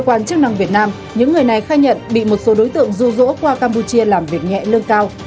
cơ quan chức năng việt nam những người này khai nhận bị một số đối tượng rụ rỗ qua campuchia làm việc nhẹ lương cao